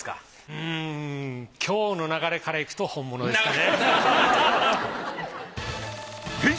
うん今日の流れからいくと本物ですかね。